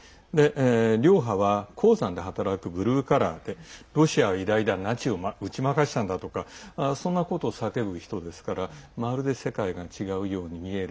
リョーハは鉱山で働くブルーカラーでロシアは偉大だナチを打ち負かしたんだとかそんなことを叫ぶ人ですからまるで世界が違うように見える。